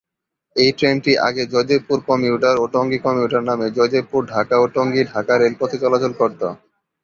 এই ট্রেনটি আগে জয়দেবপুর কমিউটার ও টঙ্গী কমিউটার নামে জয়দেবপুর-ঢাকা ও টঙ্গী-ঢাকা রেলপথে চলাচল করতো।